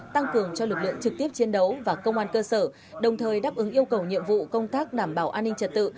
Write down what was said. tăng cường cho lực lượng trực tiếp chiến đấu và công an cơ sở đồng thời đáp ứng yêu cầu nhiệm vụ công tác đảm bảo an ninh trật tự